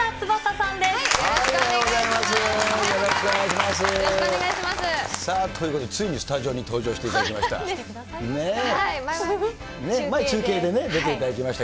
さあ、ということで、ついにスタジオに登場していただきました。